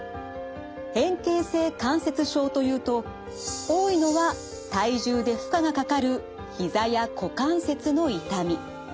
変形性関節症というと多いのは体重で負荷がかかるひざや股関節の痛み。